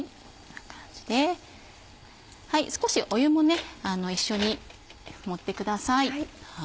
少し湯もね一緒に盛ってください。